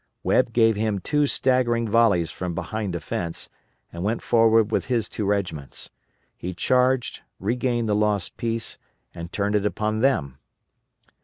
Webb gave him two staggering volleys from behind a fence, and went forward with two regiments. He charged, regained the lost piece, and turned it upon them.